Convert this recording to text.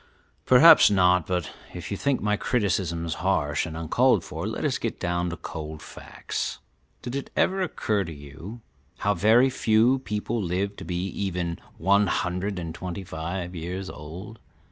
"Perhaps not; but if you think my criticisms harsh and uncalled for, let us get down to cold facts. Did it ever occur to you how very few people live to be even one hundred and twenty five years old?